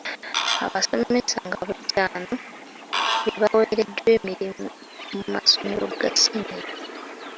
Abasomesa nga bitaano be baweereddwa emirimu mu masomero ga siniya.